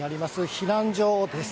避難所です。